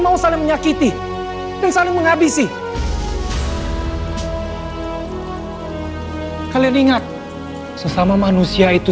bukan satu bukan satu